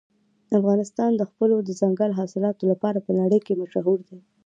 افغانستان د خپلو دځنګل حاصلاتو لپاره په نړۍ کې مشهور دی.